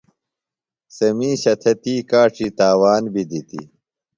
سےۡ مِیشہ تھےۡ تی کاڇی تاوان بی دِتیۡ۔